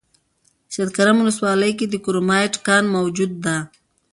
سیدکرم ولسوالۍ کې د کرومایټ کان موجود ده